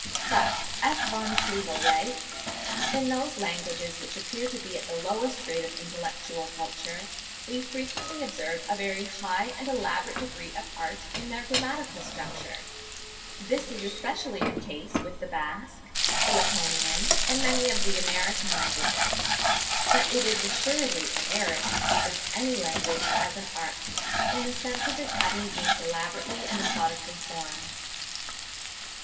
Thus F. von Schlegel writes: "In those languages which appear to be at the lowest grade of intellectual culture, we frequently observe a very high and elaborate degree of art in their grammatical structure. This is especially the case with the Basque and the Lapponian, and many of the American languages." (70. Quoted by C.S. Wake, 'Chapters on Man,' 1868, p. 101.) But it is assuredly an error to speak of any language as an art, in the sense of its having been elaborately and methodically formed.